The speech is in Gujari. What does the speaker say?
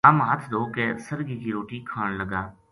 ہم ہتھ دھو کے سرگی کی روٹی کھان لگا